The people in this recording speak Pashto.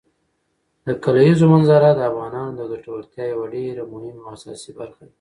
د کلیزو منظره د افغانانو د ګټورتیا یوه ډېره مهمه او اساسي برخه ده.